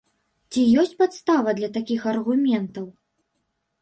Ці ёсць падстава для такіх аргументаў?